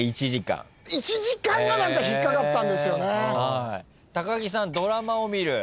１時間が何か引っかかったんですよね。